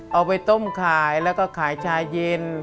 เอาไปต้มขายแล้วก็ขายชาเย็น